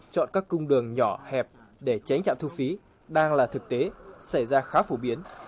chọn các cung đường nhỏ hẹp để tránh trạm thu phí đang là thực tế xảy ra khá phổ biến